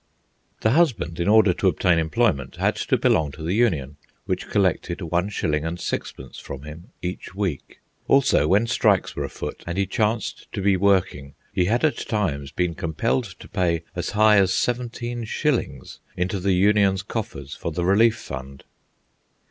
The husband, in order to obtain employment, had to belong to the union, which collected one shilling and sixpence from him each week. Also, when strikes were afoot and he chanced to be working, he had at times been compelled to pay as high as seventeen shillings into the union's coffers for the relief fund.